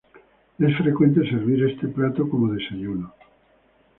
Es frecuente servir este plato como un desayuno.